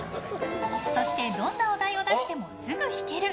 そして、どんなお題を出してもすぐ弾ける？